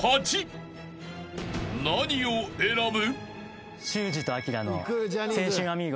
［何を選ぶ？］